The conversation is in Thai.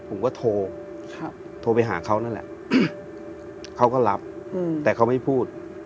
ผมก็โทรโทรไปหาเขานั่นแหละเขาก็รับแต่เขาไม่พูด